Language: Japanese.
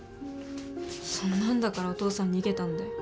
そんなんだからお父さん逃げたんだよ。